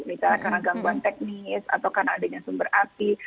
misalnya karena gangguan teknis atau karena adanya sumber api